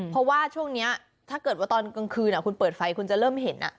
เพราะว่าช่วงนี้ถ้าเกิดว่าตอนกลางคืนคุณเปิดไฟคุณจะเริ่มเห็น